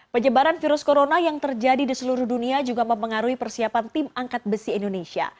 penyebaran virus corona yang terjadi di seluruh dunia juga mempengaruhi persiapan tim angkat besi indonesia